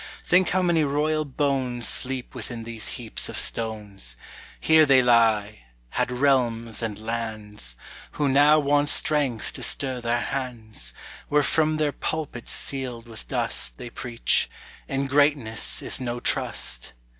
Think how many royal bones Sleep within these heaps of stones; Here they lie, had realms and lands, Who now want strength to stir their hands, Where from their pulpits sealed with dust They preach, "In greatness is no trust."